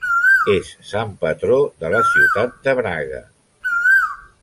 És sant patró de la ciutat de Braga.